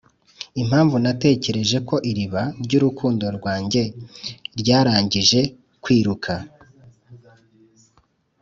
impamvu natekereje ko iriba ryurukundo rwanjye ryarangije kwiruka